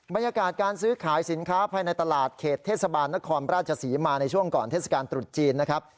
บรรยากาศการซื้อขายสินค้าภายในตลาดเขตเทศบาลนครราชศรีมาในช่วงก่อนเทศกาลตรุษจีนนะครับ